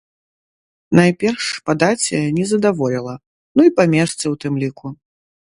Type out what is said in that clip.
Найперш па даце не задаволіла, ну і па месцы ў тым ліку.